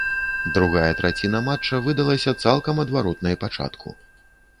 Другая траціна матча выдалася цалкам адваротнай пачатку.